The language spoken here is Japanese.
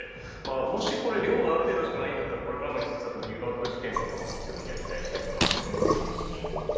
もし、量がある程度しかないならこれからの季節、入試での活用には期待したいと思います。